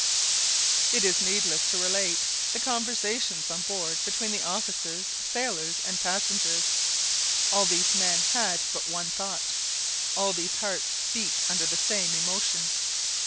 It is needless to relate the conversations on board between the officers, sailors, and passengers. All these men had but one thought. All these hearts beat under the same emotion.